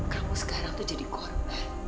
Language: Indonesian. kamu sekarang tuh jadi korban